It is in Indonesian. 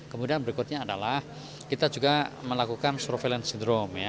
kemudian berikutnya adalah kita juga melakukan surveillance syndrome